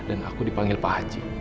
aku dipanggil pak haji